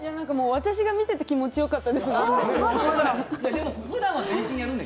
私が見ていて気持ちよかったですもん。